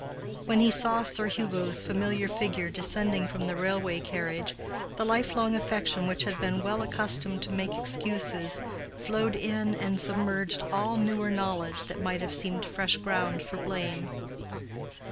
When he saw Sir Hugo's familiar figure descending from the railway carriage, the life long affection which had been well accustomed to make excuses, flowed in and submerged all newer knowledge that might have seemed fresh ground for blame.